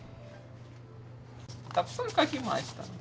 たくさん書きました。